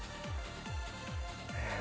えっ？